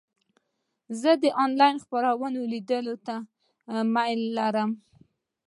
زه د انلاین خپرونو لیدو ته میلان لرم.